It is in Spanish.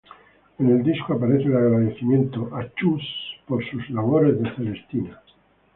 En el disco aparece el agradecimiento "a Chus por sus "labores de Celestina"".